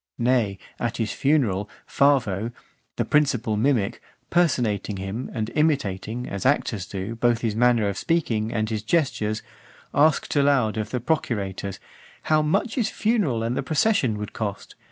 Nay, at his funeral, Favo, the principal mimic, personating him, and imitating, as actors do, both his manner of speaking and his gestures, asked aloud of the procurators, "how much his funeral and the procession would cost?"